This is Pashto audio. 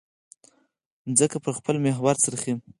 مځکه پر خپل محور څرخي.